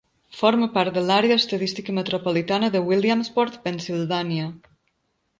Forma part de l'àrea estadística metropolitana de Williamsport, Pennsylvania.